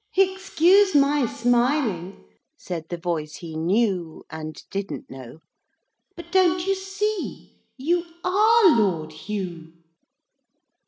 'Excuse my smiling,' said the voice he knew and didn't know, 'but don't you see you are Lord Hugh!'